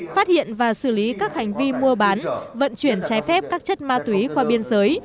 phát hiện và xử lý các hành vi mua bán vận chuyển trái phép các chất ma túy qua biên giới